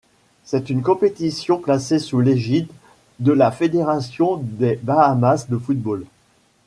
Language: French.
C'est une compétition placée sous l'égide de la fédération des Bahamas de football.